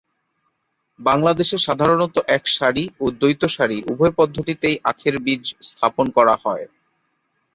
বাংলাদেশে সাধারণত একক সারি ও দ্বৈত সারি উভয় পদ্ধতিতেই আখের বীজ স্থাপন করা হয়।